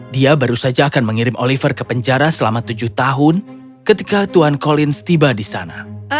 dia baru saja akan mengirim oliver ke penjara selama tujuh tahun ketika tuan colins tiba di sana